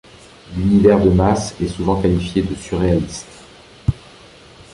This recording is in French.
L'univers de Masse est souvent qualifié de surréaliste.